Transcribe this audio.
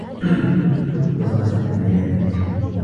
اتّصل سامي بالعيادة.